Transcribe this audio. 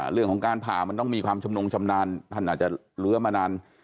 เรื่องของการผ่ามันต้องมีความชำนงชำนาญท่านอาจจะเลื้อมานาน